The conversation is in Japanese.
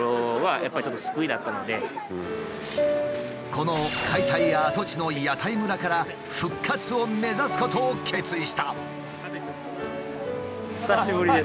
この解体跡地の屋台村から復活を目指すことを決意した。